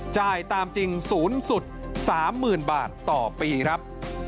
จ่ายตามจริง๐๓๐๐๐บาทต่อปีครับ